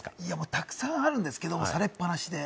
たくさんあるんですけれども、されっぱなしで。